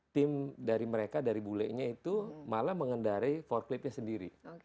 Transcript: tim dari mereka dari bule nya itu malah mengendari for clipnya sendiri